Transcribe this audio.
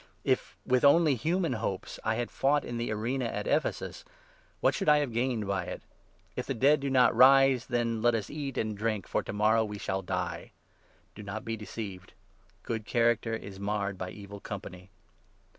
If with only human hopes I had fought in the arena at Ephesus, what should I have gained by it ? If the dead do not rise, then —' Let us eat and drink, for to morrow we shall die '! Do not be deceived. ' Good character is marred by evil company.'